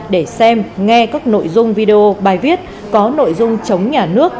để xem nghe các nội dung video bài viết có nội dung chống nhà nước